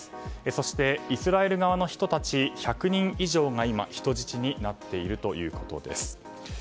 そして、イスラエル側の人たち１００人以上が人質になっているということです。